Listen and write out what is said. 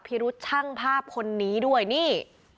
พิรุษช่างภาพคนนี้ด้วยนี่